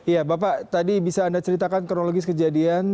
ya bapak tadi bisa anda ceritakan kronologis kejadian